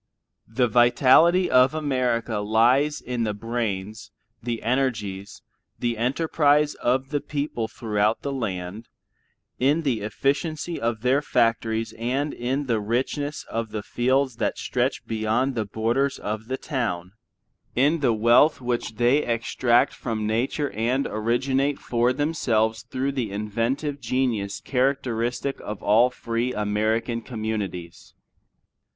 The vitality of America lies in the brains, the energies, the enterprise of the people throughout the land; in the efficiency of their factories and in the richness of the fields that stretch beyond the borders of the town; in the wealth which they extract from nature and originate for themselves through the inventive genius characteristic of all free American communities.